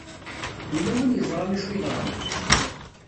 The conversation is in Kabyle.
Yella win yeẓran acu yeḍran?